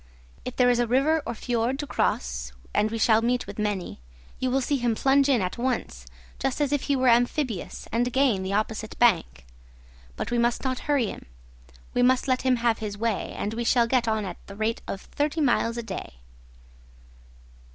If there is a river or fiord to cross (and we shall meet with many) you will see him plunge in at once, just as if he were amphibious, and gain the opposite bank. But we must not hurry him; we must let him have his way, and we shall get on at the rate of thirty miles a day."